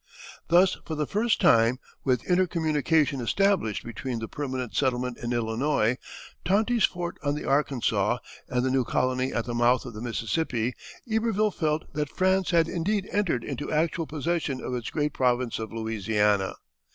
Thus for the first time, with intercommunication established between the permanent settlement in Illinois, Tonti's fort on the Arkansas, and the new colony at the mouth of the Mississippi, Iberville felt that France had indeed entered into actual possession of its great province of Louisiana.